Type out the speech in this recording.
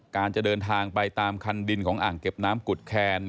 การจะเดินทางไปตามคันดินของอ่างเก็บน้ำกุฎแคน